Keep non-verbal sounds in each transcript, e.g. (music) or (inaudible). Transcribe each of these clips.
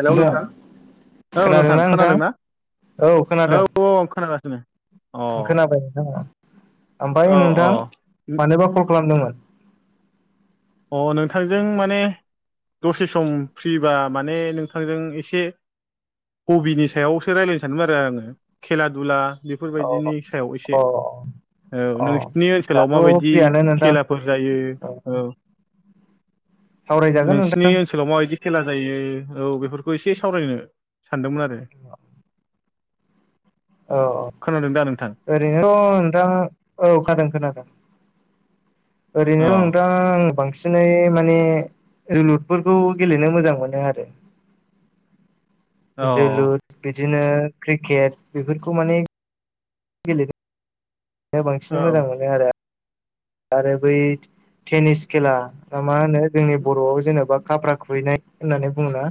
Hello नोंथां औ नोंथां खोनादोंना औ औ आं खोनागासिनो। अ खोनाबाय नोंथाङा ओमफ्राय औ औ नोंथां मानोबा कल खालामदोंमोन? अ नोंथांजों माने दसे सम फ्रिबा माने नोंथांजों एसे हबिनि सायावसो रायलायनो सानदोंमोन आरो आं खेला दुला बेफोरबायदिनि औ सायाव एसे अ ओ अ नोंसिनि ओनसोलाव दाथ' माबायदि फ्रियानो नोंथां खेला फोर जायो औ ओ सावरायजागोन नोंसिनि नोंथां ओनसोलाव माबायदि खेला जायो औ बेफोरखौ एसे सावरायनो। सानदोंमोन आरो। औ औ खोनादों दा नोंथां ओरैनोथ नोंथां औ खादों खोनादों। अ ओरैनो नोंथां आं बांसिनै माने जोलुरफोरखौ गेलेनो मोजां मोनो आरो (unintelligible) अ औ जोलुर बिदिनो क्रिकेट बेफोरखौ माने गेलेदों बांसिन मोजां मोनो आरो आरो बै टेनिस खेला दा मा होनो जोंनि बरआव जेनेबा खाफ्रा खुबैनाय होननानै बुङो ना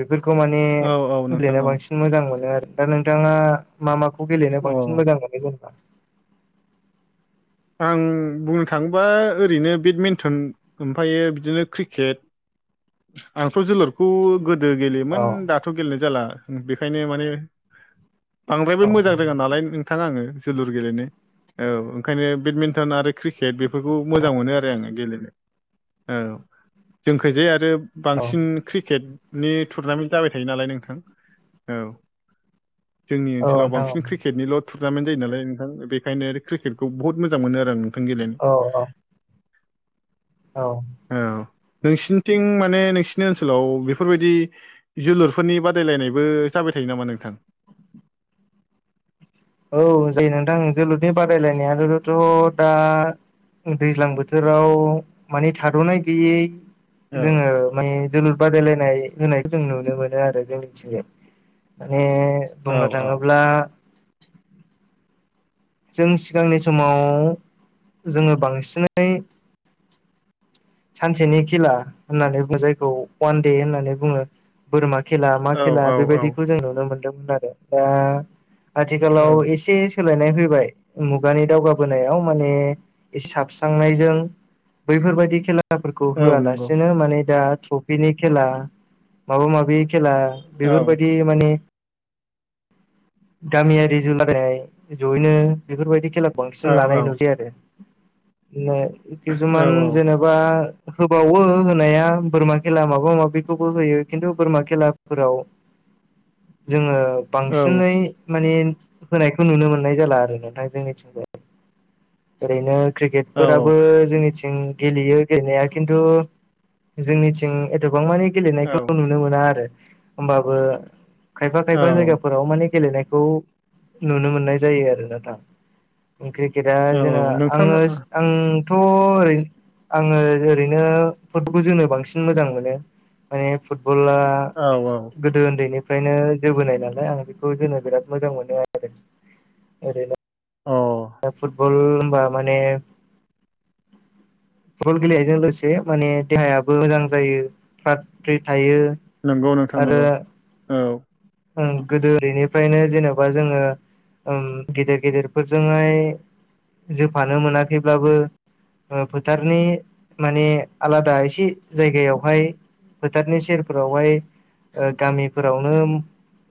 बेफोरखौ माने औ औ नोंथां गेलेना औ बांसिन मोजां मोनो आरो दा नोंथाङा? मा माखौ गेलेनो अ बांसिन मोजां मोनो जेनेबा? आं बुंनो थाङोबा ओरैनो बेडमिन्टन ओमफ्रायो बिदिनो क्रिकेट आंथ जोलुरखौ गोदो गेलेयोमोन औ दा थ गेलेनाय जाला बेखायनो माने बांद्रायबो औ मोजां रोङा नालाय थां आङो जोलुर गेलेनो औ ओंखायनो बेडमिन्टन आरो क्रिकेट बेफोरखौ मोजां मोनो आरो आङो गेलेनो औ जोंखाजे आरो औ बांसिन क्रिकेटनि टुरनामेन्ट जाबाय थायो नालाय नोंथां औ जोंनि औ ओनसोलाव नोंथां बांसिन औ क्रिकेटनिल टुरनामेन्ट जायो नाला नोंथां बेखायनो क्रिकेटखौ बहुत मोजां मोनो आरो आं नोंथां गेलेनो औ औ। औ। औ नोंसिनिथिं माने नोंसिनि ओनसोलाव बेफोरबायदि जोलुरफोरनि बादायलायनायबो जाबाय थायो नामा नोंथां? औ जायो नोंथां जोलुरनि बादायलायनायाथ दा दैज्लां बोथोराव माने थादनाय गैयि औ जोङो माने जोलुर बादायलायनाय होनायखौ जों नुनो मोनो आरो जों मिथिंगौ माने औ बुंनो औ थाङोब्ला जों सिगांनि समाव जोङो बांसिनै सानसेनि खेला होननानै बुङो जायखौ वान दे होननानै बुङो। बोरमा खेला मा औ खेला औ औ बेबायदिखौ जों नुनो मोनदोंमोन आरो दा आथिखालाव औ एसे सोलायनाय फैबाय मुगानि दावगाबोनायाव माने साबस्रांनायजों बैफोरबायदि खेला खेलाफोरखौ औ नंगौ होआलासिनो माने दा ट्रफिनि खेला माबा माबि खेला औ बेफोरबायदि माने गामियारि जुोलाराय जयैनो बेफोरबायदि खेला बांसिन औ लानाय औ नुस आरो औ किसुमान औ जेबा होबावो होनाया बोरमा खेला माबा माबिखौबो होयो खिन्थु बोरमा खेलाफोराव (unintelligible) जोङो बांसिनै माने होनायखौ नुनो मोननाय जाला आरो नोंथांजों मिथिंगाय ओरैनो औ क्रिकेटफोराबो जोंनिथिं गेलेयो गेलेनाया खिन्थु जोंनिथिं एथबां मानि गेलेनायखौ औ नु ह ख ख औ व माने गेलेनायखौ नुनो मोननाय जायो आरोोन दा क्रिकेटआ औ जोंना नोंथां आङो औ आंथ' ओरै आङो ओरैनो फुटबल जोनो बांसिन मोजां मोनो माने फुटबला औ ग दो उन्दैनिफ्रायनो जोबोनाय नालाय आं बेखौ जोनो बिराद मोजां मोनो आरो ओरैनो औ फुटबल हबा माने (unintelligible) फुटबल गेलेनायजों लोगोसे माने देहायाबो मोजां जायो फ्रात फ्रि थायो नंगौ आरो नोंथांनगौ औ गोदो ओरैनिफ्रायनो जेनेबा जोङो गेदेर गेदेरफोरजोंहाय जोफानो मोनाखैब्लाबो फोथारनि माने आलादा एसे जायगायावहाय फोथारनि सेरफोरावहाय गामिफोरावनो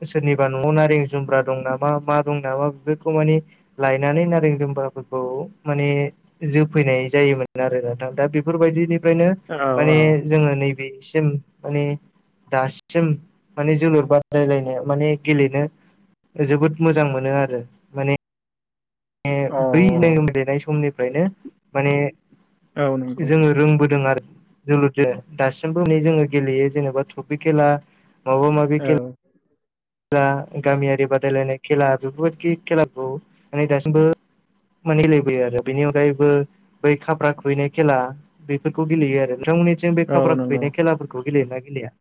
सोरनिबा न'आव नारें जुम्ब्रा दं नामा मा दं नामा बेफोरखौ मानिे लायनानै नारें जुम्बाफोरखौ माने जोफैनाय जायोमोन आरो नां दा बेफोरबायदिनिफ्रायनो औ औ माने जोङो नैे बेसिम माने दासिम माने जोलुर बाद रायलायनो माने गेलेनो जोबोद मोजां मोनो आरो। औ बैनाय मिेलेनाय समनिफ्रायनो माने औ नंगौ जोङो रोंबोदों आरो जोलुरजों दासिमबो है जोङो गेलेयो जेनेबा ट्रफि खेला माब माब औ औ खेला गामियारि बादायलायनाय खेला बेफोरबायाददि खेलाफोरखौ मे दासिमबो मानिलायबोयो आरो बेनि अनगायैबो बै खााब्रा खुबैनाय खेला बेफोरखौ गेलेयो आरो नोंथांमोननि जों बे खाब्रा नंगौ खुबैनाय खेलाफोरखौ गेलेयोना गेलेया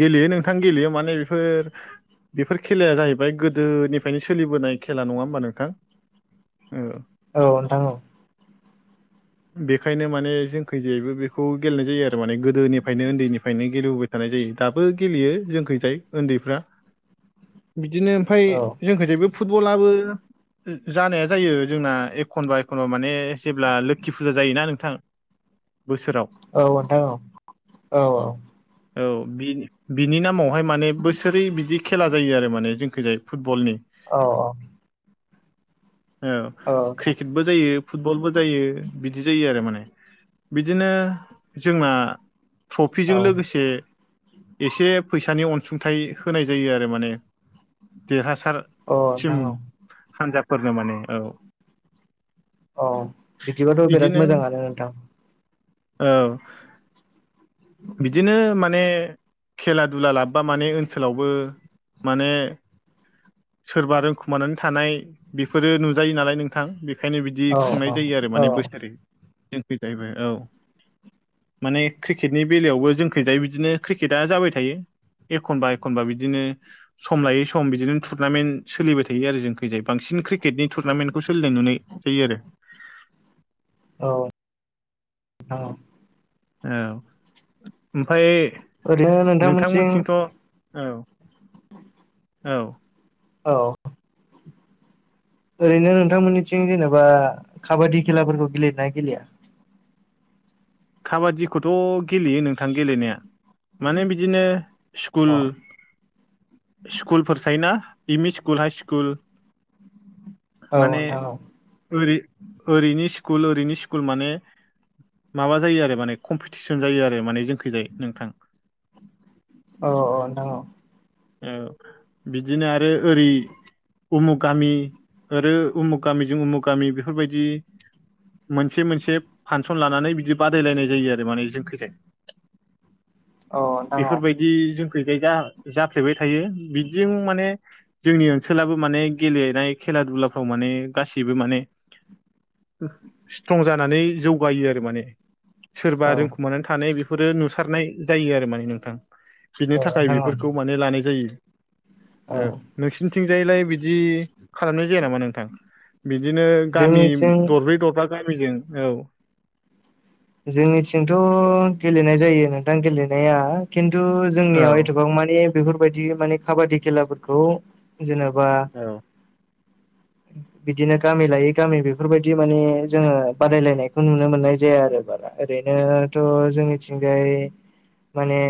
गेलेयो नोंथां गेलेयो माने बेफोर बेफोर खेलाया जाहैबाय गोदोनिफ्रायनो सोलिबोनाय खेला नङा होमबा नोंथां? औ। औ नोंथां औ (unintelligible) बेखायनो माने जों खैजेैबो बेखौ गेलेनाय जायो आरो माने गोदोनिफ्रायनो उन्दैनिफ्रायनो गेलेबोबाय थानाय जायो दाबो गेलेयो जोंखैजाय उन्दैफ्रा बिदिनो ओमफफ्राय औ जोंखौ जायो बे फुटबलाबो जानाया जायो जोंना एखनबा एखनबा माने जेब्ला लोखि फुजा जायोना नोंथां बोसोराव औ नोंथां औ औ-औ औ बि बिनि नामावहाय माने बोसोरै बिदि। खेला जायो आरो माने जोंखै जाय फुटबलनि। औ औ औ क्रिकेटबो जायो फुटबलबो जायो बिदि जायो आरो माने। बिदिनो जोंना ट्रफिजों लोगोसे। एसे एसे फैसानि अनसुंथाइ होनाय जायो आरो माने। औ देरहासारसिम नोंथां औ हान्जाफोरनो माने औ अ बिदिबाथ' बिराद बिदिनो मोजाङानो नोंथां। औ। बिदिनो माने खेला दुला लाबोबा माने ओनसोलावबो माने। सोरबा रोंखुमानानै थानाय बेफोरो नुजायो नालाय नोंथां। ओंखायनो बिदि औ औ खुंनाय जायो आरो औ माने औ बोसोरै। जों खै जाबो औ माने क्रिकेट। नि बेलायावबो जोंखैजाय बिदिनो क्रिकेटआ जाबाय थायो एखनबा एखनबा बिदिनो। सम लायै सम बिदिनो टुरनामेन्ट सोलिबाय थायो आरो जों खैजाय बांसिन क्रिकेटनि टुरनामेन्टखौ सोलिनाय नुनाय। जायो आरो। औ औ औ ओमफ्राय ओरैनो नोंथांमोनथिं नोंथांमोनथिंथ' औ। औ। औ ओरैनो नोंथांमोननिथिं जेनेबा काबादि खेलाफोरखौ गेलेयो ना गेलेया? काबादिखौथ' गेलेयो नोंथां गेलेनाया। माने बिदिनो अ स्कुल स्कुलफोर थायोना M E school high school. औ माने नोंथां औ ओरै ओरैनि स्कुल ओरैनि स्कुल माने। माबा जायो आरो माने कम्पिटिसन जायो आरो माने जोंखैजाय नोंथां। औ औ औ नोंथां औ। औ बिदि उमुग गामि आरो उमुग गामिजों उमुग गामि बेफोरबायदि। मोनसे मोनसे फांसन लानानै बिदि बादायलायनाय जायो आरो माने जोंखैजाय। औ नोंथां औ बेफोरबायदि जोंखैजाय जा फ्लेबाय थायो बिजों माने जोंनि ओनसोलाबो माने गेलेनाय खेला दुलाफ्राव माने गासैबो माने स्ट्रं जानानै जौगायो आरो माने सोरबा औ रोंखुमानानै थानाय बेफोरो नुसारनाय जायो आरो माने नोंथां बिनि औ थाखाय नोंथां औ बेफोरखौ माने लानाय जायो। औ ओ नोंसोरनिथिंजायलाय बिदि खालामनाय जाया नामा नोंथां? बिदिनो गामि जोंनिथिं दरब्रै दरबा गामिजों औ। जोंनिथिंथ' गेलेनाय जायो नोंथां गेलेनाया खिन्थु औ जोंनियाव एथ'बां मानि बेफोरबायदि मानि काबादि खेलाफोरखौ जेनेबा औ बिदिनो गामि लायै गामि बेफोरबायदि माने जोङो बादायलायनायखौ नुनो मोननाय जाया आरो बारा। ओरैनोथ' जोंनिथिंजाय माने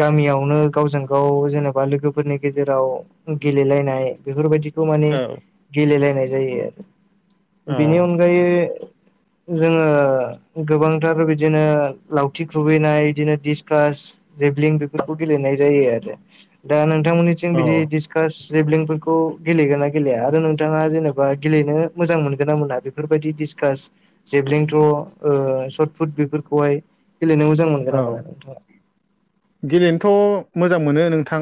गामियावनो गावजों गाव जेनेबा लोगोफोरनि गेजेराव गेलेलायनाय बेफोरबायदिखौ माने गेलेलायनाय जायो आरो औ बेनि अनगायै जोङो गोबांथार बिदिनो लावथि खुबैनाय इदिनो डिसकास। जेभलिं बेफोरखौ गेलेनाय जायो आरो दा नोंथांमोननिथिं बिदि औ डिस कास जेबलिंफोरखौ गेलेगोना गेलेया आरो नों बिथाङा जेनेबा गेलेनो मोजां मोनगोन ना मोना बेफोरबायदि डिसकास जेबलेंथ्र' सटफुट बेफोरखौहाय गेलेनो मोजां मोनगोन आ औ मोना नोंथाङा? गेलेनोथ' मोजां मोनो नोंथां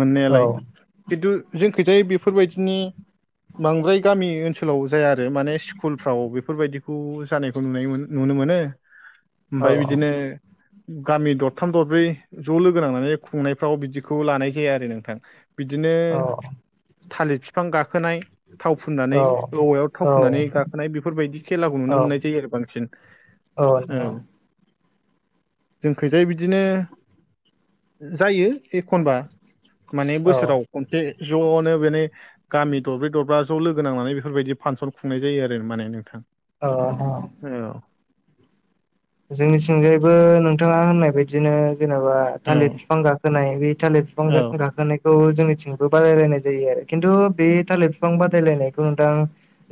मोननायालाय। औ खिन्थु जों खोथाय बेफोरबायदिनि बांद्राय गामि ओनसोलाव जाया आरो माने स्कुलफ्राव बेफोरबायदिखौ जानायखौ नुनाय नुनो मोनो औ ओमफ्राय बिदिनो गामि दरथाम दरब्रै ज' लोगो नांनानै खुंनायफ्राव बिदिखौ लानाय जाया आरो नोंथां। बिदिनो थालिर बिफां गाखोनाय थाव औ फुननानै औवायाव औ थाव फुननानै गाखोनाय बेफोरबायदि खेलाखौ नुनो मोननाय जायो आरो बांसिन। औ नोंथां औ जोंखैजाय बिदिनो जायो एखनबा माने औ बोसोराव खसे ज'आवनो बेनि गामि दरब्रै दरब्रा ज' लोगो नांनानै बेफोरबायदि फांसन खुंनाय जायो आरो माने नोंथां। अ ह औ जोंनिथिंजायैबो नोंथाङा होननाय बदिनो जेनेबा औ थालिर बिफां गाखोनाय बे थालिर बिफां औ गाखोनाय खौ जोंनिथिंबो बादायलायनाय जायो आरो खिन्थु बे थालिर बिफां बादायलायनायखौ नोंथां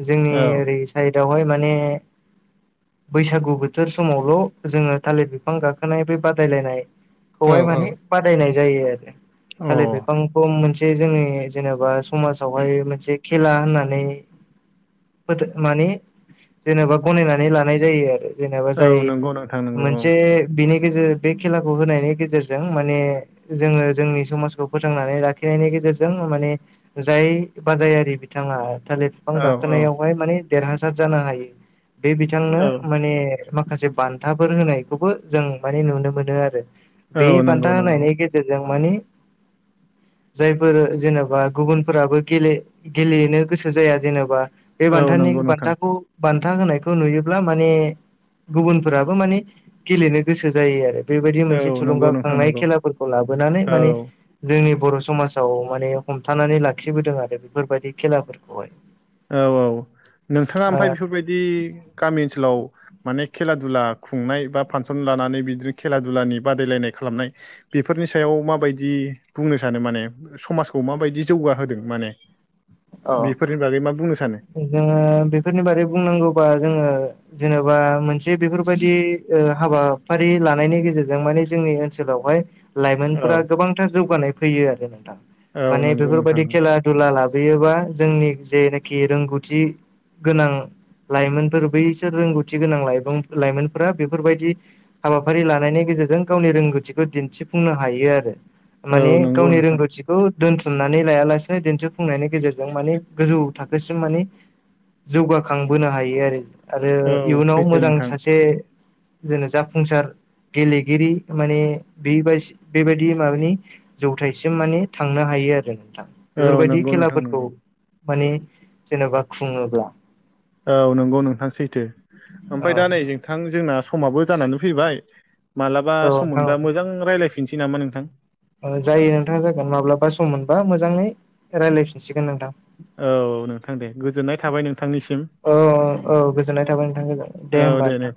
जोंनि औ ओरै साइदावहाय माने बैसागु बोथोर समावल' जोङो थालिर बिफां गाखोनाय बे बादायलायनायखौहाय माने औ बादायनाय जायो आरो थालिर औ बिफांखौ मोनसे जोंनि जेनेबा समाजावहाय मोनसे खेला होननानै फथ मानि जेनेबा गनायनानै लानाय जायो आरो जेनेबा अ औ जाय नंगौ नोंथां नंगौ औ मोनसे बिनि गेजेर बे खेलाखौ होनायनि गेजेरजों माने जोङो जोंनि समाजखौ फोथांनानै लाखिनायनि गेजेरजों माने जाय बादायारि बिथाङा थालिर बिफां औ औ गाखोनायावहाय माने देरहासार जानो हायो बे बिथांनो औ माने माखासे बान्थाफोर होनायखौबो जों माने नुनो मोनो आरो बे औ नंगौ बान्था नंगौ होनायनि गेर गेजेरजों मानि जायफोर जेनेबा गुबुनफोराबो गेले गेलेनो गोसो जाया जेनेबा बे औ बान्थानि नंगौ नोंथां बान्थाखौ बान्था होनायखौ नुयोब्ला माने गुबुनफोराबो माने गेलेनो गोसो जायो आरो बेबायदि मोनसे औ नंगौ नोंथां थुलुंगाखांनाय नंगौ खेलाफोरखौ लाबोनानै माने औ जोंनि बर' समाजाव माने हमथानानै लाखिबोदों आरो बेफोरबायदि खेलाफोरखौहाय। औ औ नोंथाङा ओ ओमफफ्राय बेफोरबायदि गामि ओनसोलाव माने खेला दुला खुंनाय बा फांसन लानानै बिदिनो खेला दुनि बादायलायनाय खालामनाय बेफोरनि सायाव माबायदि बुंनो सानो माने? समाजखौ माबायदि जौगाहोदों माने बेफोरनि बागै मा बुंनो सानो? जोंङो बेफोरनि बारै बुंनांगौबा जोंङो जेनेबा मोनसे बेफोरबायदि हाबाफारि लानायनि गेजेरजों माने जोंनि ओनसोलावहाय लाइमोनफोरा औ गोबांथार जौगानाय फैयो आरो नोंथां औ माने नंगौ नोंथां बेफोरबायदि खेला दुला लाबोयोबा जोंनि जेनाखि रोंगौथि गोनां लाइमोनफोर बैसोर रोंगौथि गोनां लाइ लाइमोनफोरा बेफोरबायदि हाबाफारि लानायनि गेजेरजों गावनि रोंगौथिखौ दिन्थिफुंनो हायो आरो माने औ नंगौ गावनि नोंथां रोंगौथिखौ दोनथुमनानै लायालासे दिन्थिफुंनायनि गेजेरजों माने गोजौ थाखोसिम मानि जौगाखांबोनो हायो आरो आरो औ इयुनाव सैथो मोजां नोंथां सासे जेनो जाफुंसार गेलेगिरि माने बे बेबायदि माबानि जौथायसिम माने थांनो हायो आरो नोंथां औ बेफोरबायदि नंगौ नोंथां खेलाफोरखौ नंगौ मानि जेन'बा खुङोब्ला। औ नंगौ नोंथां सैथो औ ओमफफ्राय दा नै जोंथां जोंना समाबो जानानै फैबाय मालाबा औ सम नोंथां मोनबा मोजां रायज्लायफिननोसै नामा नोंथां? जायो नोंथाङा जागोन माब्लाबा सम मोनबा मोजांङैं रायज्लायफिनसिगोन नोंथां। औ नोंथां दे गोजोननाय थाबाय नोंथांनिसिम। औ औ औ गोजोननाय थाबाय नोंथां गोज दे होमबा नोंथां।